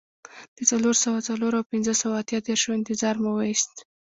د څلور سوه څلور او پنځه سوه اته دیرشو انتظار مو وېست.